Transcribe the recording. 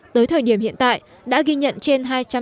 tới thời điểm hiện tại đã ghi nhận trên